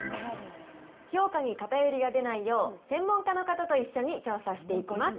評価に偏りが出ないよう、専門家の方と一緒に調査していきます。